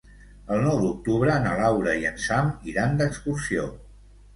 El nou d'octubre na Laura i en Sam iran d'excursió.